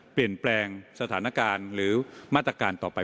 เปลี่ยนแปลงสถานการณ์หรือมาตรการต่อไป